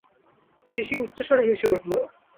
CC উচ্চেঃস্বরে হেসে উঠল।